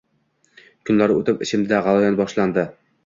Kunlar o‘tib, ichimda g‘alayon boshlandi